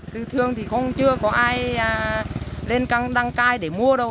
tư thương thì không chưa có ai lên đăng cai để mua đâu